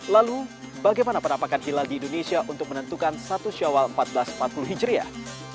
lalu bagaimana penampakan hilal di indonesia untuk menentukan satu syawal seribu empat ratus empat puluh hijriah